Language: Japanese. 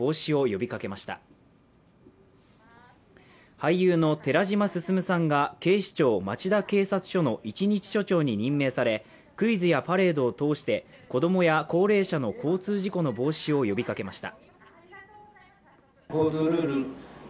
俳優の寺島進さんが警視庁町田警察署の一日署長に任命され、クイズやパレードを通して、子供や高齢者の交通事故の防止を呼びかけました。